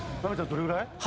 どれくらい？